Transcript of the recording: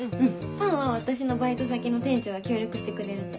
パンは私のバイト先の店長が協力してくれるって。